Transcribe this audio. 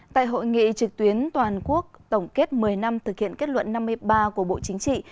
tại hội nghị trực tuyến toàn quốc tổng kết một mươi năm thực hiện kết luận năm mươi ba của bộ chính trị